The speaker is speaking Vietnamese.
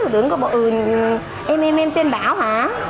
tưởng tượng em em em tên bảo hả